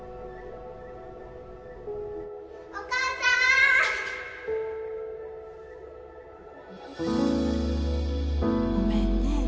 お母さんごめんね。